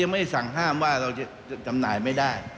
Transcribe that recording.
ไม่สั่งห้ามว่าเราจะจำหน่ายไม่ได้